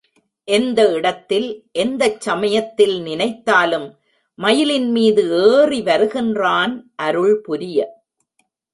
எந்த இடத்தில் எந்தச் சமயத்தில் நினைத்தாலும் மயிலின் மீது ஏறி வருகின்றான் அருள்புரிய.